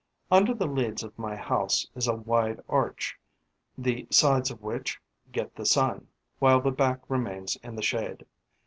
Under the leads of my house is a wide arch, the sides of which get the sun, while the back remains in the shade.